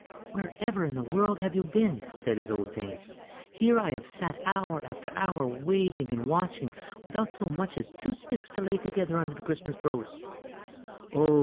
"Wherever in the world have you been?" said his old dame; "here have I sat hour after hour waiting and watching, without so much as two sticks to lay together under the Christmas brose." "Oh!"